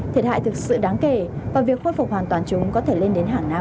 thiệt hại thực sự đáng kể và việc khôi phục hoàn toàn chúng có thể lên đến hàng năm